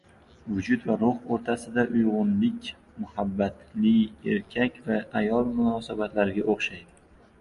Vujud va ruh o‘rtasidagi uyg‘unlik muhabbatli erkak va ayol munosabatlariga o‘xshaydi.